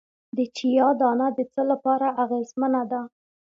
د چیا دانه د څه لپاره اغیزمنه ده؟